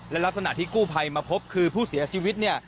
และลักษณะที่กู้ภัยมาพบคือผู้เสียชีวิตเนี่ย